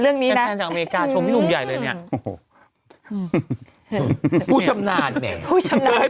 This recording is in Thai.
เป็นแฟนจากอเมริกาชมพี่หนุ่มใหญ่เลยนี่